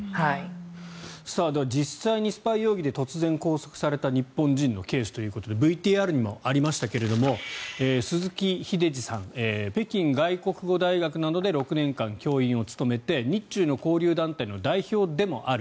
では、実際にスパイ容疑で突然拘束された日本人のケースということでＶＴＲにもありましたが鈴木英司さん北京外国語大学などで６年間教員を務めて日中の交流団体の代表でもある。